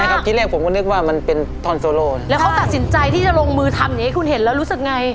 ที่แรกผมก็นึกว่ามันเป็นทอนโซโลแล้วเขาตัดสินใจที่จะลงมือทำอย่างงี้คุณเห็นแล้วรู้สึกไง